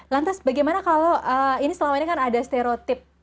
lantas bagaimana kalau ini selama ini kan ada stereotip